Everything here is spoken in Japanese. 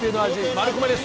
マルコメです！